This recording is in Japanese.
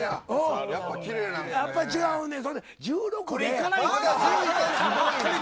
やっぱり違うねん。